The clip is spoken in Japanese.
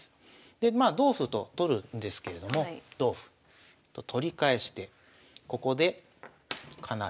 でまあ同歩と取るんですけれども同歩と取り返してここでかなり強力な歩が垂れてきます。